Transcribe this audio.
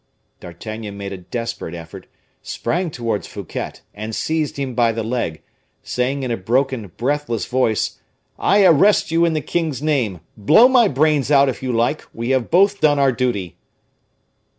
D'Artagnan made a desperate effort, sprang towards Fouquet, and seized him by the leg, saying in a broken, breathless voice, "I arrest you in the king's name! blow my brains out, if you like; we have both done our duty."